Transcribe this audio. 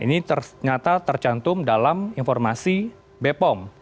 ini ternyata tercantum dalam informasi bepom